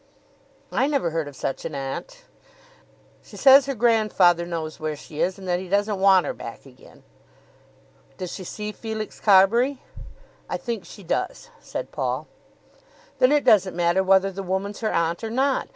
"I never heard of such an aunt." "She says her grandfather knows where she is, and that he doesn't want her back again." "Does she see Felix Carbury?" "I think she does," said Paul. "Then it doesn't matter whether the woman's her aunt or not.